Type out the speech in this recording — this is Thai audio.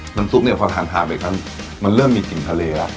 น้ำซุปเนี่ยพอทานทานไปครับมันเริ่มมีกลิ่นทะเลละ